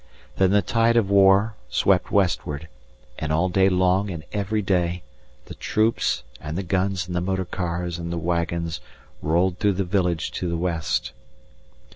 Then the tide of war swept westward, and all day long and every day the troops, and the guns and the motor cars and the wagons rolled through the village to the west.